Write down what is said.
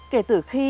kể từ khi